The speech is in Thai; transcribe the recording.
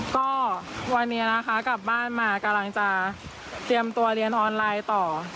ก็วันนี้นะคะกลับบ้านมากำลังจะเตรียมตัวเรียนออนไลน์ต่อ